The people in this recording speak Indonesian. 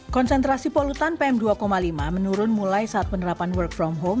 konsentrasi polutan pm dua lima menurun mulai saat penerapan work from home